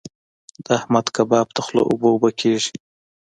د احمد کباب ته خوله اوبه اوبه کېږي.